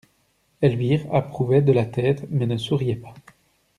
Elvire approuvait de la tête, mais ne souriait pas.